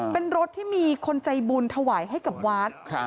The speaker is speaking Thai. เป็นรถที่มีคนใจบุญถวายให้กับวัด